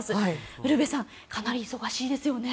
ウルヴェさんかなり忙しいですよね。